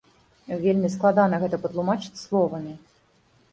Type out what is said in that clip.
Вельмі складана гэта патлумачыць словамі.